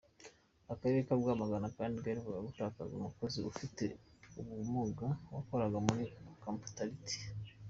Akarere ka Rwamagana kandi kaherukaga gutakaza umukozi ufite ubumuga wakoraga muri comptabilité.